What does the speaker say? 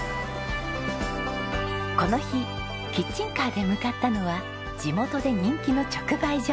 この日キッチンカーで向かったのは地元で人気の直売所。